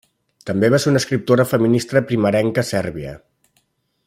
També va ser una escriptora feminista primerenca sèrbia.